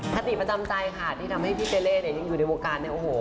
ปฏิปัจจัยค่ะที่ทำให้พี่เปเล่ย์อยู่ในโลกการณ์